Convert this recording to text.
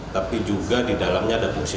tapi juga di dalamnya ada fungsi